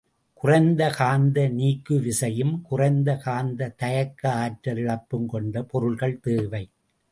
குறைந்த காந்த நீக்குவிசையும் குறைந்த காந்தத் தயக்க ஆற்றல் இழப்பும் கொண்ட பொருள்கள் தேவை.